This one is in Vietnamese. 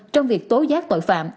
trong việc tối giác tội phạm